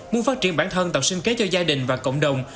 muốn phát triển bản thân tạo sinh kế cho gia đình và cộng đồng